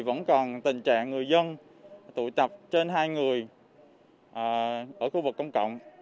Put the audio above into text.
vẫn còn tình trạng người dân tụ tập trên hai người ở khu vực công cộng